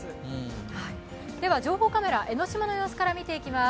情報カメラ、江の島の様子から見ていきます。